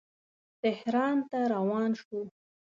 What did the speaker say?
تهران ته روان شو.